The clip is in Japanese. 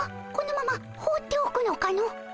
このまま放っておくのかの？